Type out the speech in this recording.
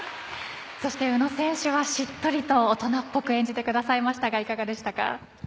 そして、宇野選手はしっとりと大人っぽく演じてくれましたがいかがでしたか？